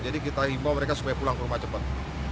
jadi kita hibau mereka supaya pulang ke rumah cepat